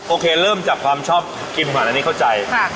โอเคเริ่มจากความชอบกินมุหั่นนี่เข้าใจ